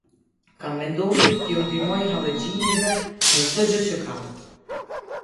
Kam vendosur t'iu ndihmoj hallexhinjve, me çdo gjë që kam.